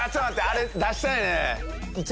あれ出したいね。